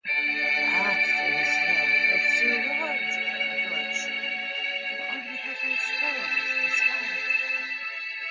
After his death a still larger collection of unpublished poems was found.